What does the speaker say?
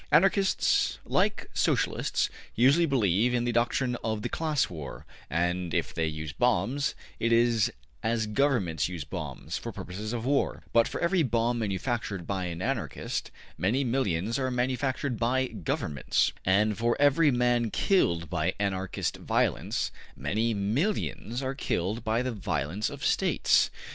Anarchists, like Socialists, usually believe in the doctrine of the class war, and if they use bombs, it is as Governments use bombs, for purposes of war: but for every bomb manufactured by an Anarchist, many millions are manufactured by Governments, and for every man killed by Anarchist violence, many millions are killed by the violence of States.